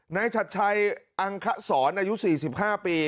นายชัดชัยอังขสอนอายุ๔๕ปี